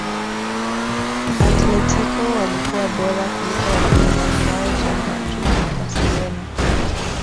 atletico walikuwa bora kuliko wapinzani wao real madrid na barcelona